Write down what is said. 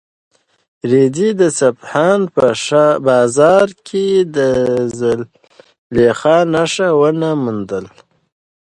رېدي د اصفهان په بازار کې د زلیخا نښه ونه مونده.